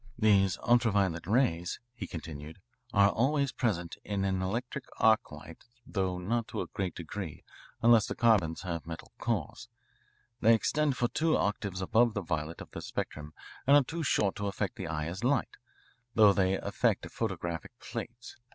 "These ultra violet rays," he continued, "are always present in an electric arc light though not to a great degree unless the carbons have metal cores. They extend for two octaves above the violet of the spectrum and are too short to affect the eye as light, although they affect photographic plates.